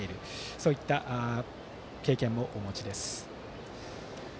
そういった経験もお持ちです。